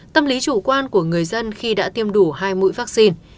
tâm lý chủ quan của người dân khi đã tiêm đủ hai mũi vaccine